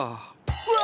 うわ！